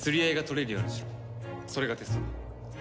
それがテストだ。